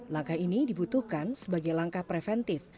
langkah ini dibutuhkan sebagai langkah preventif